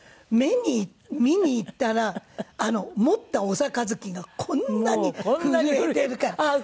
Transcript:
見に行ったら持ったお杯がこんなに震えてるからああ